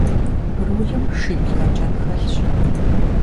Брулым шибл я кӀэн хэлъщ.